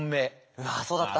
うわあそうだった。